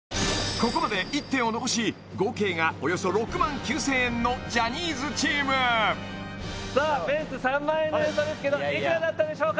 ここまで１点を残し合計がおよそ６９０００円のジャニーズチームさあベンツ３００００円の予想ですけどいくらだったでしょうか？